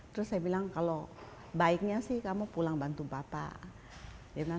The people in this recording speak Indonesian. terus saya bilang kalau baiknya sih kamu pulang bantu bapak